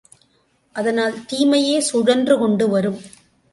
அதனால் தீமையே சுழன்று கொண்டு வரும்.